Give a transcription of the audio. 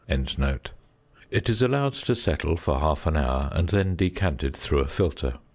It is allowed to settle for half an hour, and then decanted through a filter.